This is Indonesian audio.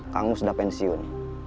kang mus sudah pensiun